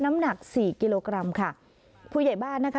น้ำหนักสี่กิโลกรัมค่ะผู้ใหญ่บ้านนะคะ